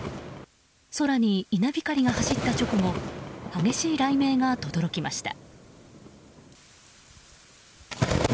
空に稲光が走った直後激しい雷鳴がとどろきました。